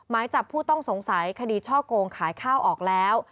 หมายจับผู้ต้องสงสัยคดีช่อโกงขายข้าวออกแล้ว